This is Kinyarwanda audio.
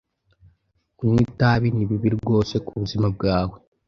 Kunywa itabi ni bibi rwose kubuzima bwawe.